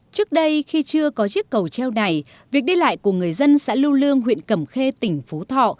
trước đây khi chưa có chiếc cầu treo này việc đi lại của người dân xã lưu lương huyện cầm khê tỉnh phú thọ